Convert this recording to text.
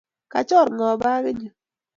Kachor ng'o pakit nyu?